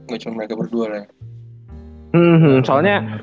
gak cuma mereka berdua lah ya soalnya